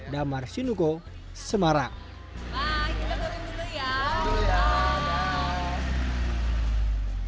damar shinuko semarang